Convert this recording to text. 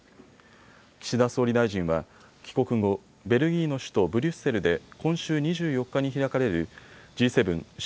岸田総理大臣は帰国後ベルギーの首都ブリュッセルで今週２４日に開かれるＧ７・